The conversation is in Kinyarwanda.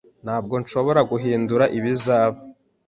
Ntabwo nshobora guhindura ibizaba.